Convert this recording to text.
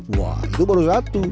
wah itu baru satu